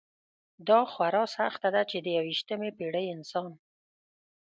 دا خورا سخته ده چې د یویشتمې پېړۍ انسان.